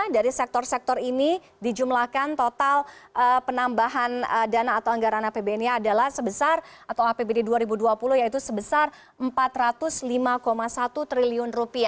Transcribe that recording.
dari sektor sektor ini dijumlahkan total penambahan dana atau anggaran apbn nya adalah sebesar atau apbd dua ribu dua puluh yaitu sebesar rp empat ratus lima satu triliun